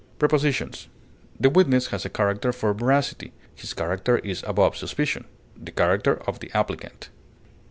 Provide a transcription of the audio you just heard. Prepositions: The witness has a character for veracity; his character is above suspicion; the character of the applicant.